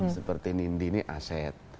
seperti nindi ini aset